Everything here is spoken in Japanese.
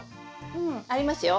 うんありますよ。